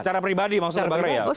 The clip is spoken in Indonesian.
secara pribadi maksud pak rai